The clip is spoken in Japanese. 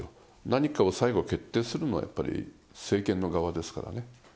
何かを最後決定するのは政権の側ですからね。